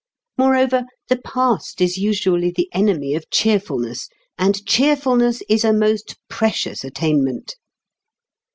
Moreover, the past is usually the enemy of cheerfulness, and cheerfulness is a most precious attainment.